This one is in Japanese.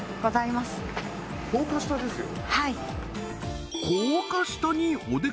高架下ですよ